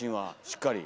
しっかり。